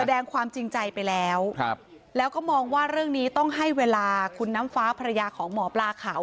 แสดงความจริงใจไปแล้วครับแล้วก็มองว่าเรื่องนี้ต้องให้เวลาคุณน้ำฟ้าภรรยาของหมอปลาขาว